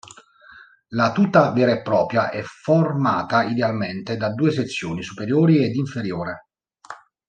La tuta vera e propria è formata idealmente da due sezioni, superiore ed inferiore.